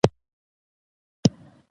حکومت په راتلونکي کې پاته شي.